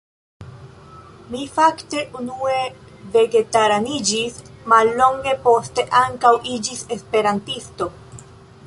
Mi fakte unue vegetaraniĝis, mallonge poste ankaŭ iĝis Esperantisto.